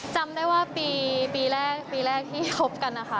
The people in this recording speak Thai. จำได้ว่าปีแรกปีแรกที่คบกันนะคะ